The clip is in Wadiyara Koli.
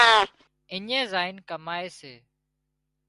اڃي زائينَ ڪمائي سي